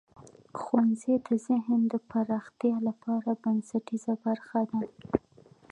ښوونځی د ذهن د پراختیا لپاره بنسټیزه برخه ده.